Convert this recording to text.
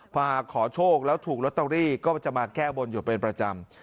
พอขอโชคแล้วถูกลอตเตอรี่ก็จะมาแก้บนอยู่เป็นประจำ